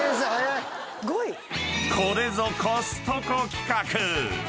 ［これぞコストコ規格］